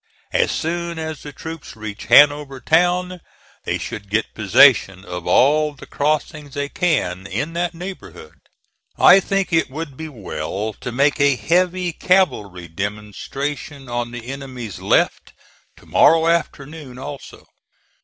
As soon as the troops reach Hanover Town they should get possession of all the crossings they can in that neighborhood. I think it would be well to make a heavy cavalry demonstration on the enemy's left, to morrow afternoon, also.